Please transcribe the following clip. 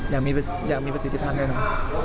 อยากมีประสิทธิภัณฑ์ให้น้อง